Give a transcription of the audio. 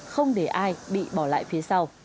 không để ai bị bỏ lại phía sau